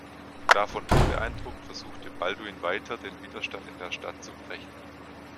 Davon unbeeindruckt versuchte Balduin weiter, den Widerstand in der Stadt zu brechen.